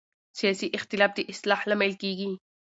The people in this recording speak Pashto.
سیاسي اختلاف د اصلاح لامل کېږي